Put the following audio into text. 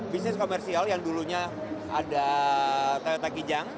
bisnis komersial yang dulunya ada toyota kijang